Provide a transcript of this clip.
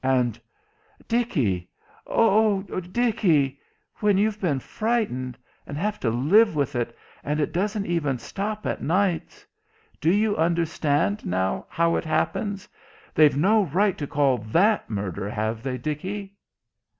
And "Dickie oh, Dickie when you've been frightened and have to live with it and it doesn't even stop at nights do you understand, now, how it happens? They've no right to call that murder, have they, Dickie?"